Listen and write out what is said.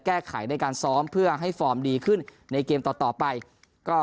แก้ไขในการซ้อมเพื่อให้ฟอร์มดีขึ้นในเกมต่อต่อไปก็